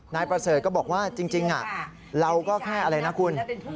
นายประเสริฐก็บอกว่าจริงเราก็แค่อะไรนะคุณ